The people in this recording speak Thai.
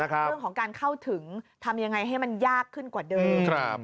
เรื่องของการเข้าถึงทำยังไงให้มันยากขึ้นกว่าเดิม